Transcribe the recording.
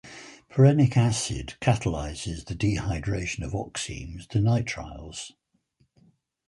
Perrhenic acid catalyses the dehydration of oximes to nitriles.